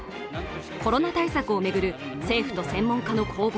コロナ対策を巡る政府と専門家の攻防。